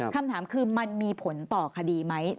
คำถามคือมันมีผลต่อคดีไหม